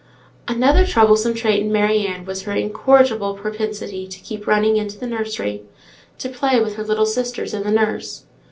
Another troublesome trait in Mary Ann was her incorrigible propensity to keep running into the nursery, to play with her little sisters and the nurse.